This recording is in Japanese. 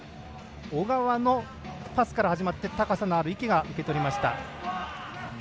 小川のパスから始まって高さのある池が受け取りました。